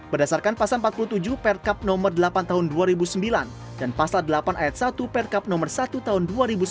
berdasarkan pasal empat puluh tujuh perkap nomor delapan tahun dua ribu sembilan dan pasal delapan ayat satu perkap nomor satu tahun dua ribu sembilan belas